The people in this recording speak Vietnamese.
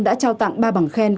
đã trao tặng ba bảng khen